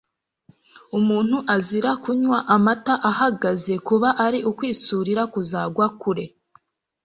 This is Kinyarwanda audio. Umuntu azira kunywa amata ahagaze, kuba ari u kwisurira kuzagwa kure